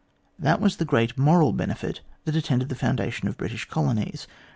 That was the great moral benefit that attended the foundation of British colonies.